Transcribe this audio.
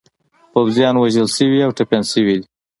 پوځیان وژل شوي او ټپیان شوي دي.